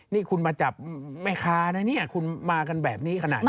นี่คุณมาจับแม่ค้านะเนี่ยคุณมากันแบบนี้ขนาดนี้